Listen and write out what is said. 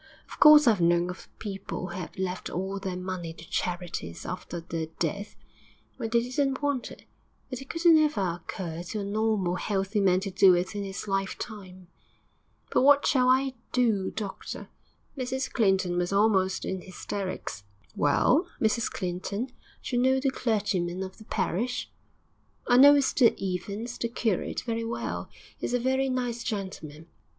Of course I've known of people who have left all their money to charities after their death, when they didn't want it; but it couldn't ever occur to a normal, healthy man to do it in his lifetime.' 'But what shall I do, doctor?' Mrs Clinton was almost in hysterics. 'Well, Mrs Clinton, d'you know the clergyman of the parish?' 'I know Mr Evans, the curate, very well; he's a very nice gentleman.'